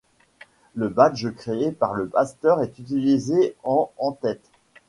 Le badge créé par le pasteur est utilisé en en-tête.